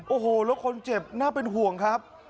โอ้โหแล้วคนเจ็บน่าเป็นห่วงครับ